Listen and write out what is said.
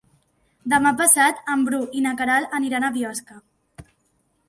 Demà passat en Bru i na Queralt aniran a Biosca.